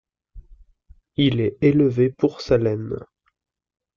Il est élevé pour sa laine.